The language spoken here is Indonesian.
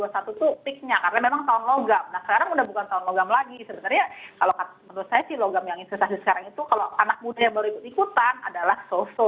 sebenarnya kalau menurut saya sih logam yang investasi sekarang itu kalau anak muda yang baru ikut ikutan adalah so so